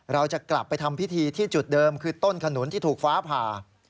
เราจะกลับไปทำพิธีที่จุดเดิมคือต้นขนุนที่ถูกฟ้าผ่า